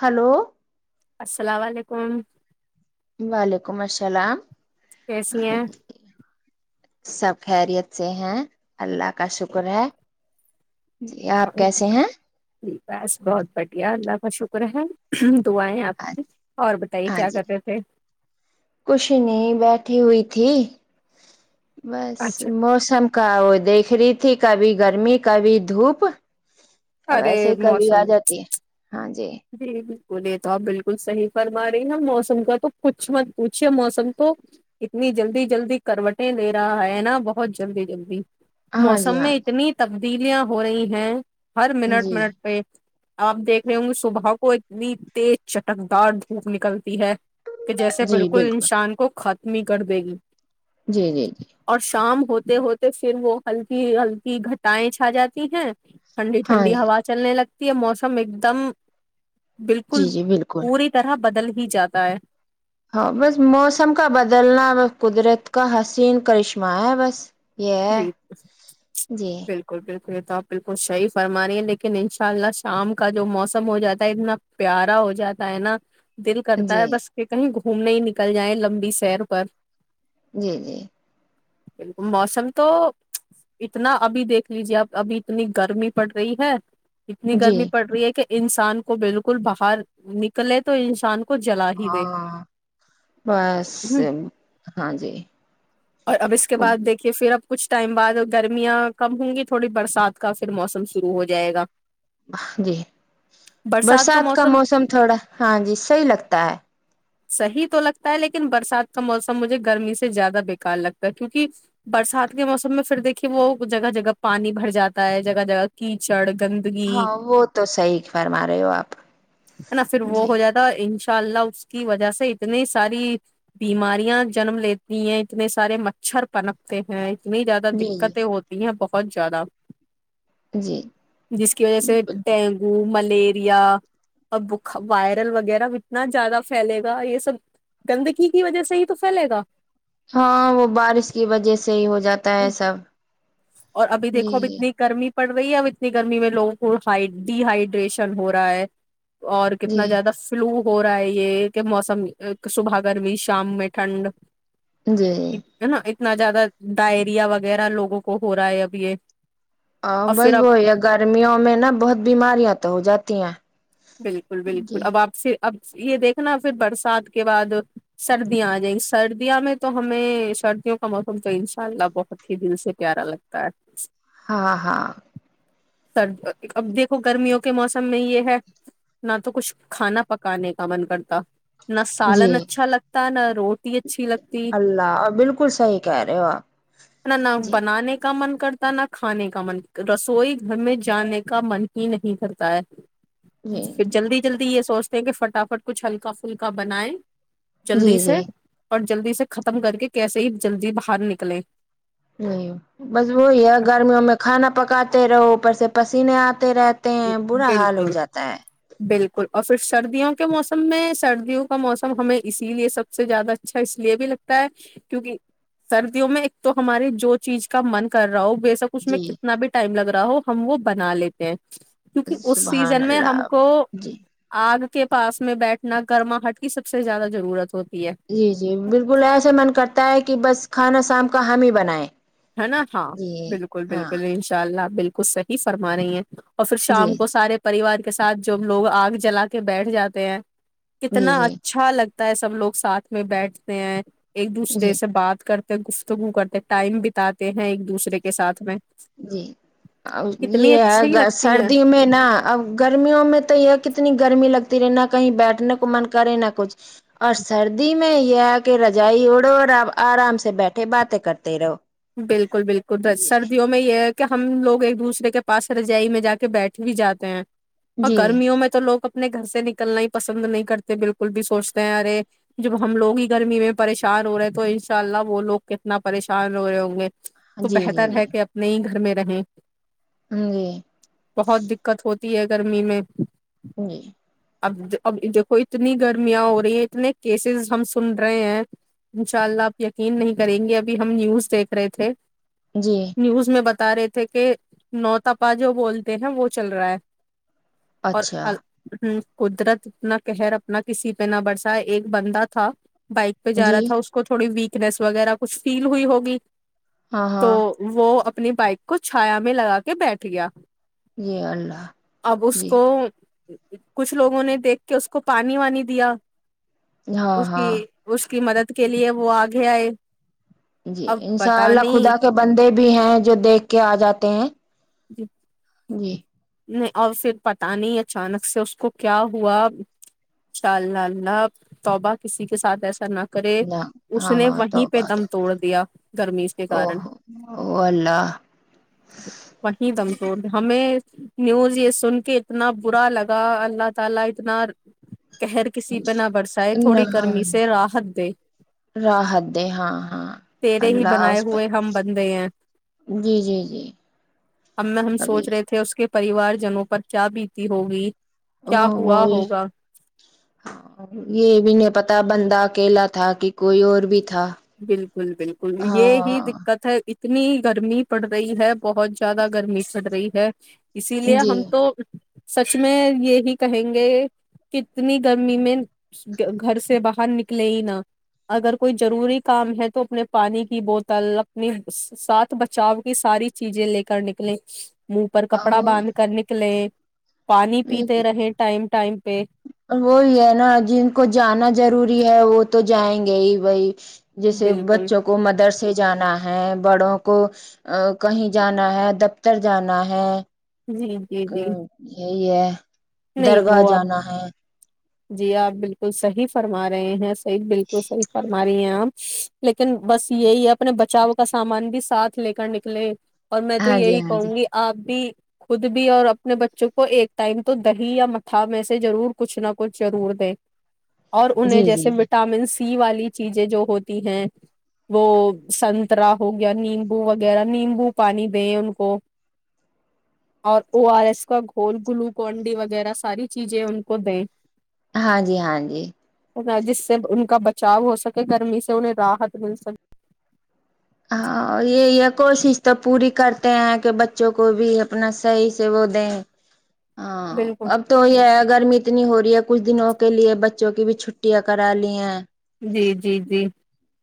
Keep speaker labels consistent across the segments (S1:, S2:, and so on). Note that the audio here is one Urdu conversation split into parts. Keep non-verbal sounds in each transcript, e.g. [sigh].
S1: ہلو
S2: السلام علیکم
S1: وعلیکم السلام
S2: کیسی ہیں
S1: سب خیریت سے ہیں اللہ کا شکر ہے جی آپ کیسے ہیں
S2: بس بہت بڑھیا اللہ کا شکر ہے تو آئے آپ اور بتائیے
S1: ہاں
S2: کیا
S1: جی
S2: کرتے تھے
S1: کچھ نہیں بیٹھی ہوئی تھی بس
S2: اچھا
S1: موسم کا وہ دیکھ رہی تھی کبھی گرمی کبھی دھوپ اب
S2: ارے
S1: ایسے ہی کبھی
S2: موسم
S1: آ جاتی ہے ہاں جی
S2: جی بالکل یہ تو آپ بالکل صحی فرما رہی ن موسم کا تو کچھ مت پوچھیے موسم تو اتنی جلدی جلدی کروٹیں لے رہا ہے نا بہت جلدی جلدی
S1: ہاں
S2: موسم
S1: جی ہاں
S2: میں اتنی تب تبدیلیاں ہو رہی ہیں ہر
S1: جی
S2: منٹ
S1: جی
S2: منٹ پہ ا آپ دیکھ رہے ہو مجھ سے سبا کو اتنی تیز چٹکدار دھوپ نکلتی ہے کہ جیسے بالکل انسان کو نہیں کر دے گی
S1: جی جی جی
S2: اور شام ہوتے ہوتے پھر وہ ہلکی ہلکی گھٹائیں چھا جاتی ہیں ٹھڈی
S1: ہاں
S2: ٹھنڈی
S1: جی
S2: ہوال لگتی تی یہ موسم ایک دم بالکل
S1: جی جی بالکل
S2: پوری طرح بدل ہی جاتا ہے
S1: ہاں بس موسم کا بدلنا ب قدرت کا حسین کرشمہ ہے بس یہ ہے
S2: جی
S1: جی
S2: بالکل بالکل یہ تو آپ بالکل صحیح فرما رہی ہیں لیکن ان شاء اللہ شام کا جو موسم ہو جاتا ہے اتنا پیارا ہو جاتا ہے نا دل کرتا ہے
S1: جی
S2: بس کہ کہیں گ گھومنے ہی نکل جائیں لمبی سیر پر
S1: جی جی
S2: موسم تو اتنا ابھی دیکھ لیجے اب ابھی اتنی گرمی پڑ رہی ہے اتنی
S1: جی
S2: گرمی پڑ رہی ہے کہ انسان کو بالکل باہر نکلے تو انسان کو کو جلا ہی گئے
S1: ہاں بس
S2: ہ
S1: ہاں جی
S2: اور اب اس کے بعد دیکھیے پھر آپ کچھ ٹائم بعد گرمیاں کم ہوں گی تھوڑی برسات کا پھر موسم شروع ہو جائے گا
S1: جی برسات کا موسم تھوڑا ہاں جی صحیح لگتا ہے
S2: صحیح تو لگتا ہے لیکن برسات کا موسم مجھے گرمی سے زیادہ بےکار لگتا ہے کیونکہ برسات کے موسم میں پھر دیکھیے وہ جگہ جگہ پانی بھر جاتا ہے جگہ جگہ کیچڑ گندگی
S1: ہاں وہ تو سحی فرما رہے ہو آپ جی
S2: ان شاء اللہ اس کی وجہ سے اتنی ساری بیماریاں جنم لیتی ہیں اتنے سارے مچھر پنکتے ہیں اتنی زیادہ
S1: جی
S2: دقتیں ہوتی ہیں بت پہن جیادہ
S1: جی جی
S2: جس کی وجہ سے
S1: بالکل،
S2: ڈینگو ملیریا اور ب وائرل وغیرہ اتنا زیادہ پھیلے گا یہ سب گندگی کی وجہ سے ہی تو پھیلے گا
S1: ہاں وہ بارش کی وجہ سے صحی ہو جاتا ہے سب
S2: اور ابھی
S1: جی
S2: دیکھو اب اتنی گرمی پڑ رہی ہے اب اتنی گرمی میں لوگوں کو ہ ڈی ہائڈریشن ہو رہا ہے اور
S1: جی
S2: کتنا زیادہ فلو ہو رہا ہے یہ کہ موسم صبح گرمی شام میں ٹھنڈ
S1: جی
S2: ن اتنا زیادہ ڈائریا وغیرہ لوگوں کو کو ہو رہا ہے اب یہ
S1: ا
S2: اور
S1: بس
S2: پھر اب
S1: وہی ہے گرمیوں میں نا بہت بیماریاں تو ہو جاتی ہیں
S2: بالکل بالکل
S1: جی
S2: اب آپ سے اب یہ دیکھنا پھر برسات کے بعد سردیاں آ جائیں سردیاں میں تو ہمیں سردیوں کا موسم تو انشاء اللہ بہت ہی دل سے پیارا لگتا ہے
S1: ہاں ہاں
S2: سر اب دیکھو گرمیوں کے موسم میں یہ ہے نہ تو کچھ کھانا پکانے کا من کرتا نہ
S1: جی
S2: سالن اچھا لگتا نہ روٹی اچھی لگتی
S1: اللہ اور بالکل صحیح کہہ رہے ہو آپ
S2: نہ نہ
S1: جی
S2: بنانے کا من کرتا نہ کھانے کا من رسوئی گھر میں جانے کا من ہی نہیں کرتا ہے
S1: جی
S2: پھر جلدی جلدی یہ سوچ کہ فٹافٹ کچھ ہلکا فلکا بنائیں جلدی
S1: جی
S2: سے
S1: جی
S2: اور جلدی سے ختم کر کے کیسے ہی جلدی باہر نکلے
S1: جی بس وہی ہے گرمیوں میں کھانا پکاتے رہو اوپر سے پسینے آتے رہتے ہیں برا حال ہو
S2: بالکل
S1: جاتا ہے
S2: بالکل اور پھر سردیوں کے موسم میں سردیوں کا موسم ہمیں اسی لیے سب سے زیادہ اچھا اس لیے بھی لگتا ہے کیونکہ سردیوں میں ایک تو ہمارے جو چیز کا من کر رہا ہو بے شک اس میں
S1: جی
S2: کتنا بھی ٹائم لگا رہ ہم وہ بنا لیتے ہیں کیونکہ اس
S1: سبحان
S2: سیزن میں ہم
S1: اللہ
S2: کو
S1: جی
S2: آگ کے پاس میں بیٹھنا گرماہٹ کی سب سے زیادہ ضرورت ہوتی ہے
S1: جی جی بالکل ایسا من کرتا ہے کہ بس کھانا شام کا حامی بنیں
S2: ہے نا ہاں بالکل بالکل ان شاء اللہ بالکل صحیح فرما رہی ہیں اور پھر
S1: جی
S2: شام کو سارے پریوار کے ساتھ جو ہم لوگ آگ جلا کے بیٹھ جاتے ہیں
S1: جی
S2: کتنا
S1: جی
S2: اچھا لگتا ہوتا ہے سب لوگ ساتھ میں بیٹھتے ہیں ایک دوسرے
S1: جی
S2: سے بات کر گفتگو کرتے ٹائم بھی اتے ہیں ایک دوسرے کے ساتھ میں
S1: جی ا
S2: کتنی
S1: یہ
S2: اچھی ہی
S1: ہے
S2: لگتی ہیں
S1: سردی میں نا اب گرمیوں میں تو یہ کتنی گرمی لگتی رہے نہ کہیں بیٹھنے کو من کرے نہ کچھ اور سردی میں یہ ہے کہ رجائی اڑو اور آپ آرام سے بیٹھے باتیں کرتے رہو
S2: بالکل بالکل
S1: جی
S2: سردیوں میں یہ کہ ہم لوگ ایک دوسرے کے پاس چلے جائی میں جا کے بیٹھی بھی جاتے ہیں اور
S1: جی
S2: گرمیوں میں تو لوگ اپنے گھر سے نکلنا ہی پسند نہیں کرتے بالکل بھی سوچتے ہیں ارے جب ہم لوگ ہی گرمی میں پریشان ہو رہے ہیں تو ان شاء اللہ وہ لوگ کتنا پریشان ہوے ہووں گے تو بہتر ہے کہ اپنے ہی گھر میں نہیں
S1: ہ جی
S2: دقت ہے گرمی میں
S1: جی
S2: اب اب دیکھو اتنی گرمیاں ہو رہی ہیں اتنے کیسز ہم سن رہے ہیں ان شاء اللہ آپ یقین نہیں کریں گے ابھی ہم نیوز دیکھ رہے تھے
S1: جی
S2: نیوز میں بتا بتا رہے تھے کہ نوتپا جو بولتے ہیں نا وہ چل رہا ہے
S1: اچھا
S2: آور قدرت اتنا قر اپنا کسی پہ نہ برسا ایک بندہ تھا بائک پہ جا
S1: جی
S2: رہا تھا اس کو تھوڑی ویک فکس وغیرہ کچھ فیل ہوئی ہوگی
S1: ہاں
S2: تو
S1: ہاں
S2: وہ اپنی بائک کو چھایا میں لگا کے بیٹھ گیا
S1: جی اللہ
S2: اب اس
S1: جی
S2: کو کچھ لوگوں نے دیکھ کے اس کو پانی وانی دیا
S1: ہاں
S2: اس کی
S1: ہاں
S2: اس کی مدد کے لیے وہ آگے آئے
S1: جی
S2: اب
S1: ان شاء
S2: پت
S1: اللہ
S2: نہیں
S1: خدا کے بندے بھی ہیں جو دیکھ کے آ جاتے ہیں جی
S2: اور پھر پتاہ نہیں اچانک سے اس کو کیا ہوا ااء ال اللہ توبہ کسی کے ساتھ ایسا نہ کرے
S1: نہ
S2: اس
S1: ہاں
S2: نے
S1: ہاں تو
S2: وہیں
S1: ب
S2: پہ دم توڑ دیا گرمی کے
S1: او
S2: کارن
S1: ہو اللہ
S2: وہیں دمزور ہمیں نیوز یہ سن کے اتنا برا لگا قہر کسی پہ نہ برسائے تھوڑی گرمی سے راحت دے
S1: راحت دے ہاں ہاں
S2: تیرے ہی
S1: اللہ
S2: بنائے
S1: اس پہ
S2: ہوئے ہم بندے ہیں
S1: جی جی جی
S2: اب میں ہم
S1: ابھی
S2: سوچ رہے تھے اس کے پریوار جنوں پر کیا بیتی ہوگی
S1: ا
S2: کیا
S1: وہ
S2: ہوا
S1: یہ
S2: ہوگا
S1: یہ بھی نہیں پتا بندہ اکیلا تھا کہ کوئی اور بھی تھا
S2: بالکل بالکل یہ ہی
S1: ہاں
S2: دقت ہے اتنی گرمی پڑ رہی ہے بہت زیادہ گرمی پڑ رہی ہے اسی لیے
S1: جی
S2: ہم تو سچ میں یہی کہیں گے کتنی گرمی میں گھر سے باہر نکلے ہی نہا اگر کوئی ضروری کام ہے تو اپنے پانی کی بوتل اپنی ساتھ بچاؤ کی ساری چیزیں لے کر نکلیں منہ پر کپڑا
S1: وہ
S2: باندھ کر نکلے ٹائم پہ
S1: وہی ہے نا جن کو جانا ضروری ہے و ہ تو جائیں گے ہی بی جیسے
S2: بالکل
S1: بچوں کو مدرس ے جانا ہے بڑوں کو کہیں جانا ہے دفتر جانا ہے
S2: جی جی جی
S1: یہی ہے
S2: نہیں
S1: درگاہ
S2: وہ آپ
S1: جانا ہے
S2: جی آپ بالکل صحیح فرما رہے ہیں صی بالکل صح ف اری ہیں لیکن بس یہی ہے اپنے بچاؤ کا سامان بھی ساتھ لے کر نکلے اور میں تو
S1: ہاں جی
S2: یہی
S1: ہاں جی
S2: کہوں گی آپ بھی خود بھی اور اپنے بچوں کو ایک ٹائم تو دہی یا متا میں سے ضرور کچھ نہھ کچھ ضرور دیک اور
S1: جی
S2: انہیں جیسے
S1: جی جی
S2: وٹامنس سی والی چیزیں جو ہوتی ہیں وہ سنترا ہو گیا نیمبو وغیرہ نیمبو پانی دیں ان کو اور او آر ایس کا گھول گلوکون ڈی وغیرہ ساری چیزیں ان کو دیں
S1: ہاں جی ہاں جی
S2: جس سے ان کا بچاؤ ہو سکے گرمی سے انہیں راحت مل سکے
S1: ہاں یہ ہے کوشش تو پوری کرتے ہیں کہ بچوں کو بھی اپنا صحیح سے وہ دیں ہاں
S2: بالکل
S1: اب تو ہے گرمی اتنی ہو رہی ہے کچھ دنوں کے لیے بچوں کی بھی چھٹیاں کرا لی ہیں
S2: [unintelligible]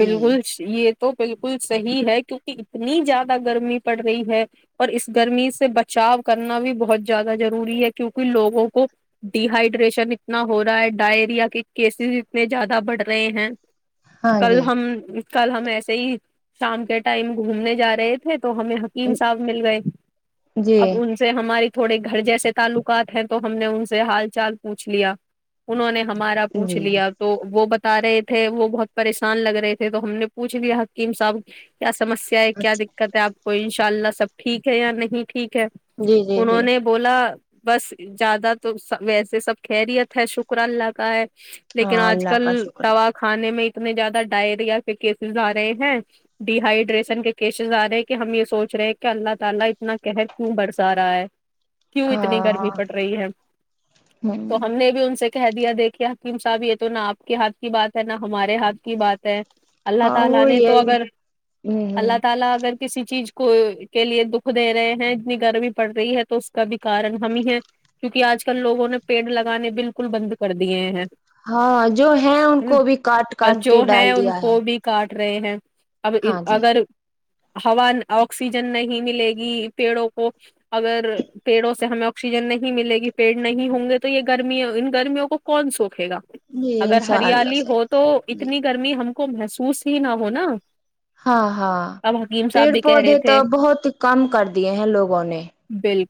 S1: جی
S2: تو بالکل صحیح ہے کیونکہ اتنی زیادہ گرمی پڑ رہی ہے اور اس گرمی سے بچاؤ کرنا بھی بہت زیادہ ضروری ہے کیونکہ لوگوں کو ڈیہائڈریشن اتنا ہو رہا ہے ڈائریا کے کیسز اتنے زیادہ بڑھ رہے ہیں
S1: ہاں
S2: کل
S1: جی
S2: ہم کل ہم ایسے ہی شام کے ٹائم گھومنے جا رہے تھے تو ہمیں حکیم صاحب مل گئے
S1: جی
S2: اب ان سے ہماری تھوڑے گھر جیسے تعلقات ہیں تو ہم نے ان سے ہال چال پوچھ لیا انہوں نے ہمارا
S1: جی
S2: پوچھ
S1: جی
S2: لیا تو وہ ب تا رہے تھے وہ بہت پریشان لگ رہے تھے تو ہم نے پوچھ لیا حکیم صاحب کیا سسیا ہے کیا
S1: اچھا
S2: دقت ہے آپ کو ان شاء اللہ سب ٹھیک ہے یا نہیں ٹھیک ہے
S1: جی جی
S2: انہوں
S1: جی
S2: نے بولا بس زیادہ توب ویسے سب خیریت ہے شکر اللہ کا ہے لیکن
S1: ہاں
S2: آج
S1: اللہ
S2: کل
S1: کا شکر ہے
S2: دوا کھانے میں اس میں زیادہ ڈائی ایریا اور ڈیہائڈریشن کے کیسز ا رہے ہیں ہم یہ سوچ رہے ہیں کہ اللہ تعالی اتنا کیوں کہربارسا رہا ہے کیوں اتنی گرمی
S1: ہاں
S2: پڑ رہی ہے
S1: ہوں
S2: تو ہم نے بھی ان سے کہہ دیا دیکھے حکیم صاحب یہ تو نہ آپ کے ہاتھ کی بات ہے ن نہ ہمارے ہاتھ ہمارے ہاتھ کی بات ہے
S1: ہاں وہ یہی ہوں ہوں
S2: [unintelligible] کسی چیز کو کے لیے دکھ دے رہے ہیں اتنی گرمی پڑ رہی ہے تو اس کا بھی کارن ہم ہی ہے کیونکہ آج کل لوگوں نے پیڑ لگانے بالکل بند کر دیے ہیں
S1: ہاں جو ہیں ان کو بھی کاٹ دیا ہے کاٹ
S2: جو
S1: کے
S2: ہیں
S1: ڈال
S2: ان کو بھی کاٹ رہے ہیں
S1: ہاں جی
S2: [unintelligible] ہوا آکسیجن نہیں ملے گی پیڑوں کو اگر پیڑوں سے ہمیں آکسیجن نہیں ملے گی پیڑ نہیں ہوں گے تو یہ گرمی ان گرمیوں کو کون سو رے گا
S1: جی
S2: اگر
S1: انشاء اللہ
S2: ہریالی ہو
S1: صحیح
S2: تو
S1: جی
S2: اتنی گرمی ہم کو محسوس ہی نہ ہوناا
S1: ہاں ہاں پیڑ
S2: کہہ
S1: پودے
S2: رہے
S1: تو
S2: تھے
S1: بہت ہی کم کر دیے ہیں لوگوں نے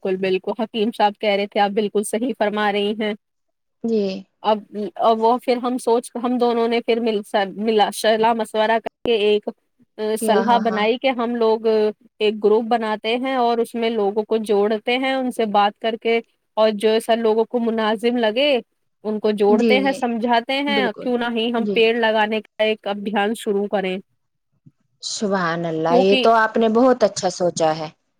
S2: بالکل بالکل حکیم صاحب کہہ رہے تھے آپ بالکل صحی فرما رہی ہیں
S1: جی
S2: [unintelligible] اور وہ پھر ہم سوچ کر ہم دونوں نے پھر م ملا شہلا مشورہ کر کے ایک
S1: کیا
S2: سلح
S1: ہاں ہاں
S2: بنائی کہ ہم لوگ [unintelligible] ایک گروپ بناتے ہیں اور اس میں لوگوں کو جوڑتے ہیں ان سے بات کر کے اور جو سا لوگوں کو مناظم لگے ان کو
S1: جی
S2: جوڑتے ہیں
S1: جی
S2: سمجھاتے ہیں
S1: بالکل
S2: کیوں نہ ہی ہم
S1: جی
S2: لگانے کا ایک ابھیان شروع کریں
S1: سبان اللہ یہ
S2: کیونکہ
S1: تو آپ نے بہت اچھا سوچا اچا ہے [unintelligible]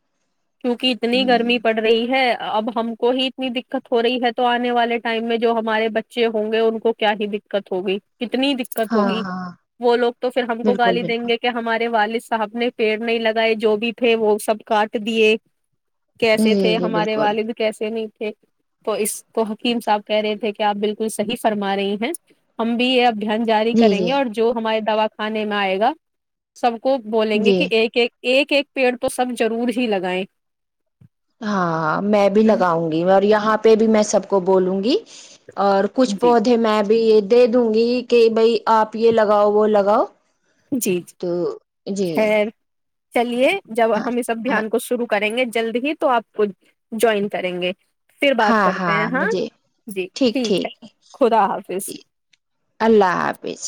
S2: کیونکہ
S1: ہ
S2: اتنی گرمی پڑ رہی ہے اب ہم کو ہی اتنی دقت ہو رہی ہے تو آنے والے ٹائم میں جو ہمارے بچے ہوں گے ان کو کیا ہی دقت ہوگی کتنی دقت
S1: ہاں
S2: ہوگی
S1: ہاں
S2: وہ لوگ تو پھر ہم کو
S1: بالکل
S2: گالی دیں
S1: بالکل
S2: گے کہ ہمارے والد صاحب نے پیڑ نہیں لگائے جو بھی تھے وہ سب کاٹ دیے [unintelligible] کیسے تھے
S1: جی جی
S2: ہمارے
S1: بالکل
S2: والد کیسے نہیں تھے تو اس کو حکیم صاحب کہہ رہے تھے کہ آپ بالکل صحیح فرما رہی ہیں ہم بھی یہ اب اھیان جاری
S1: جی
S2: کریں گے
S1: جی
S2: اور جو ہمارے دا کھانے میں آئے گا سب [unintelligible] کو بولیں گے
S1: جی
S2: کہ ایک ایک [unintelligible] ایک ایک پیڑ تو سب ضرور ج لگائیں
S1: ہاں میں بھی لگاؤں گی اور یہاں پہ بھی میں سب کو بولوں گی اور کچھ
S2: جی
S1: پودے میں بھی یہ دے د گی کہ بھائی آپ یہ لگاؤ وہ لگاؤ
S2: جی جی
S1: تو جی
S2: خیر چلیے جب
S1: ہاں
S2: ہم اس سب
S1: ہاں
S2: دھیان کو شرو کریں گے جلدی ہی تو آپ خ جوائن کریں گے پھر بات
S1: ہاں
S2: کرتے
S1: ہاں
S2: ہیں
S1: مجھے
S2: جی
S1: ٹھیک ٹھیک
S2: ہے خدا
S1: ج
S2: حافظ
S1: اللہ حافظ